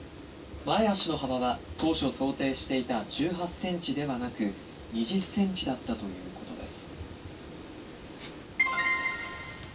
前足の幅は当初想定していた１８センチではなく２０センチだったということです」。